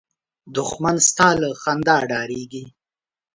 دښمن ستا له خندا ډارېږي